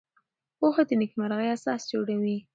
پوهه د نېکمرغۍ اساس جوړوي.